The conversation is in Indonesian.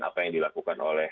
apa yang dilakukan oleh